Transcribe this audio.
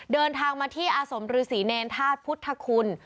เดินทางมาที่อาสมฤษีเนรธาตุพุทธคุณ